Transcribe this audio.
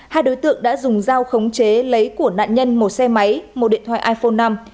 hai đối tượng đã dùng dao khống chế lấy của nạn nhân một xe máy một điện thoại iphone năm